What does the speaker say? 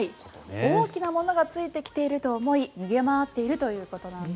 大きなものがついてきていると思い逃げ回っているということなんです。